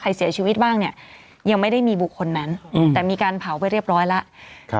เสียชีวิตบ้างเนี่ยยังไม่ได้มีบุคคลนั้นแต่มีการเผาไปเรียบร้อยแล้ว